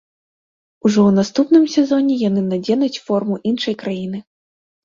Ужо ў наступным сезоне яны надзенуць форму іншай краіны.